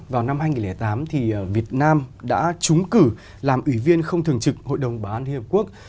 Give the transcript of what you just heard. vào năm hai nghìn tám việt nam đã trúng cử làm ủy viên không thường trực hội đồng bảo an liên hợp quốc